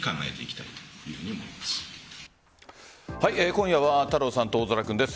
今夜は太郎さんと大空君です。